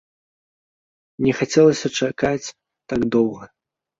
Не хацелася чакаць так доўга.